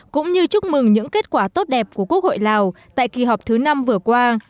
cũng như chúc mừng những kết quả tốt đẹp của quốc hội lào tại kỳ họp thứ năm vừa qua